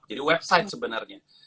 jadi website sebenarnya